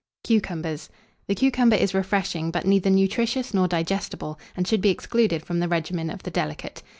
CUCUMBERS. The cucumber is refreshing, but neither nutritious nor digestible, and should be excluded from the regimen of the delicate.